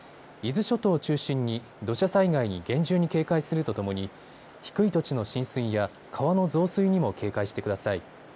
伊豆諸島を中心に土砂災害に厳重に警戒するとともに低い土地の浸水や川の増水にも警戒してください。